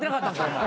お前。